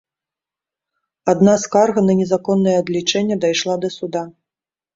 Адна скарга на незаконнае адлічэнне дайшла да суда.